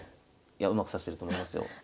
いやうまく指してると思いますよ。